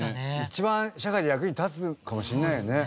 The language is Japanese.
一番社会で役に立つかもしれないよね。